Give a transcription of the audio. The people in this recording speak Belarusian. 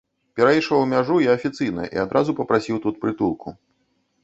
Перайшоў мяжу я афіцыйна і адразу папрасіў тут прытулку.